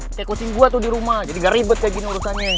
saya kucing gue tuh di rumah jadi gak ribet kayak gini urusannya